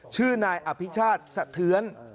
๐๙๕๖๑๙๒๕๑๗ชื่อนายอภิชาติสะเทือน